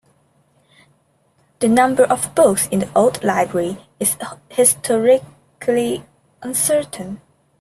The number of books in the old library is historically uncertain.